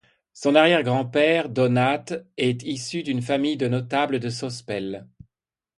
Son arrière-grand-père, Donat est issu d'une famille de notables de Sospel.